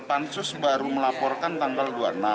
pansus baru melaporkan tanggal dua puluh enam